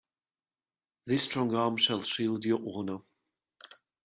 This strong arm shall shield your honor.